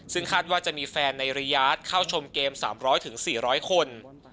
ซึ่งคาดว่าจะมีแฟนในระยะเข้าชมเกม๓๐๐๔๐๐คน